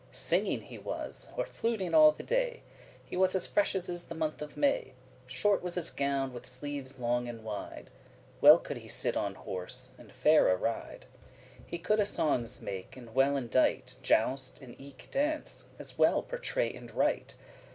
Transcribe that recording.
Singing he was, or fluting all the day; He was as fresh as is the month of May. Short was his gown, with sleeves long and wide. Well could he sit on horse, and faire ride. He coulde songes make, and well indite, Joust, and eke dance, and well pourtray and write.